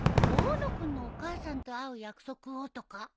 大野君のお母さんと会う約束をとか？